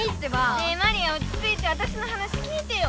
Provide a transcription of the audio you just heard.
ねえマリアおちついてわたしの話聞いてよ。